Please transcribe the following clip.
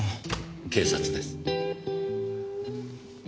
警察です。